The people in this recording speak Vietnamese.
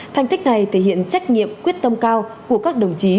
thành tích này thể hiện trách nhiệm quyết tâm cao của các đồng chí